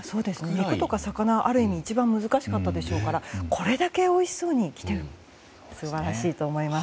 肉とか魚はある意味一番難しかったでしょうからこれだけおいしそうにできているのは素晴らしいと思います。